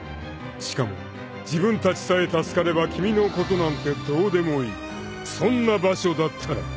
［しかも自分たちさえ助かれば君のことなんてどうでもいいそんな場所だったら？］